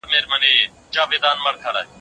لكه زركي هم طنازي هم ښايستې وې